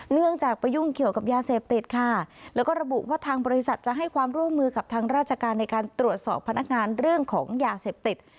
เนื่องจากไปยุ่งเกี่ยวกับยาเสพติดค่ะแล้วก็ระบุว่าทางบริษัทจะให้ความร่วมมือกับทางราชการในการตรวจสอบพนักงานเรื่องของยาเสพติด